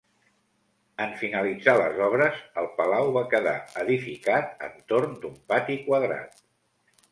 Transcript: En finalitzar les obres, el palau va quedar edificat entorn d'un pati quadrat.